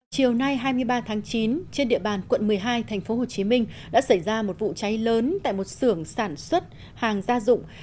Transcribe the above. chiều nay hai mươi ba tháng chín trên địa bàn quận một mươi hai thành phố hồ chí minh đã xảy ra một vụ cháy lớn tại một sưởng sản xuất hàng gia dụng